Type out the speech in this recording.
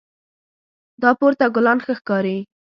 دا پورته ګلان ښه ښکاري